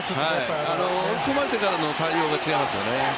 追い込まれてからの対応が違いますよね。